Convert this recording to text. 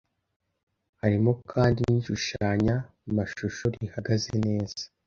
Harimo kandi n’ishushanya mashyusho rihagaze neza